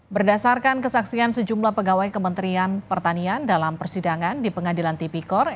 berdasarkan kesaksian sejumlah pegawai kementerian pertanian dalam persidangan di pengadilan tipikor